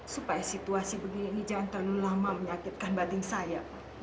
supaya situasi begini jangan terlalu lama menyakitkan badan saya